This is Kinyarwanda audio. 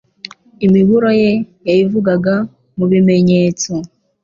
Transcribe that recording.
imiburo ye yayivugaga mu bimenyetso.